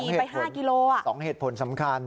ขี่ไป๕กิโลอ่ะใช่ค่ะ๒เหตุผลสำคัญ